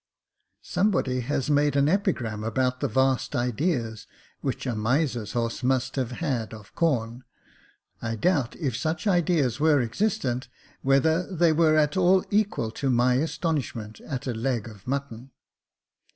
Somebody has made an epigram about the vast ideas which a miser's horse must have had of corn. I doubt, if such ideas were existent, whether they were at all equal to my astonish ment at a leg of mutton.